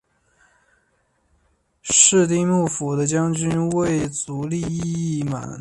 室町幕府的将军为足利义满。